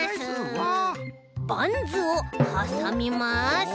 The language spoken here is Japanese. バンズをはさみます。